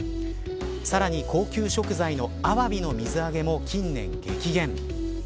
さらに、高級食材のアワビの水揚げも近年激減。